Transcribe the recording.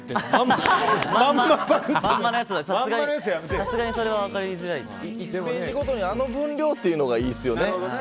１ページごとにあの分量っていうのがいいですよね。